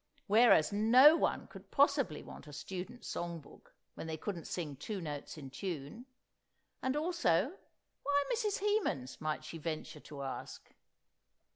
Whereas no one could possibly want a Student's Song Book, when they couldn't sing two notes in tune; and, also, why Mrs. Hemans, might she venture to ask?